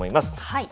はい。